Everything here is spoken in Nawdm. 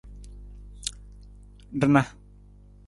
Rana.